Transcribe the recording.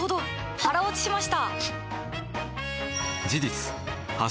腹落ちしました！